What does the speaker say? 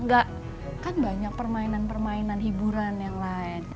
kenapa kok pilihnya wayang kan banyak permainan permainan hiburan yang lain